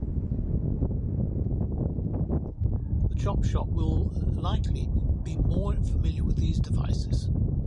The chop shop will likely be more familiar with these devices.